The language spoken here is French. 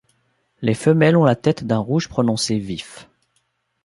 Les femelles ont la tête d'un rouge prononcé vif.